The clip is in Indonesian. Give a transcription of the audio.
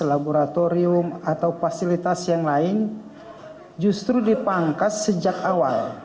laboratorium atau fasilitas yang lain justru dipangkas sejak awal